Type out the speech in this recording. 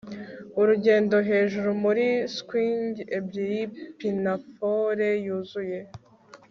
urugendo-hejuru muri swingi ebyiri, pinafore yuzuye